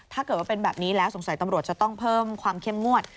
ถ้าเกิดว่าเป็นแบบนี้แล้วสงสัยตำรวจจะต้องเพิ่มความเข้มงวด